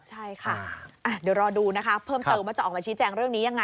ใช่ค่ะเดี๋ยวรอดูนะคะเพิ่มเติมว่าจะออกมาชี้แจงเรื่องนี้ยังไง